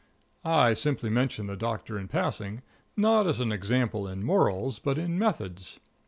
I simply mention the Doctor in passing, not as an example in morals, but in methods.